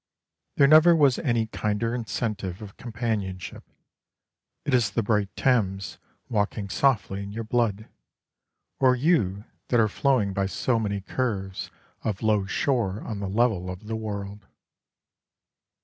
There never was any kinder incentive of companionship. It is the bright Thames walking softly in your blood, or you that are flowing by so many curves of low shore on the level of the world.